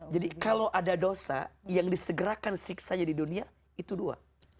jadi kalau ada dosa yang disegerakan siksanya di dunia itu dua